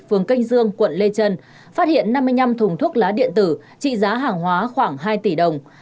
phường canh dương quận lê trân phát hiện năm mươi năm thùng thuốc lá điện tử trị giá hàng hóa khoảng hai tỷ đồng